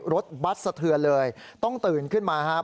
รถบัตรสะเทือนเลยต้องตื่นขึ้นมาครับ